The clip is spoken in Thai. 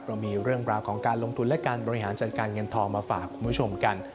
เรามีเรื่องราวของการลงทุนและการบริหารจัดการเงินทองมาฝากคุณผู้ชมกัน